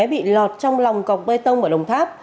bị lọt trong lòng cọc bê tông ở đồng tháp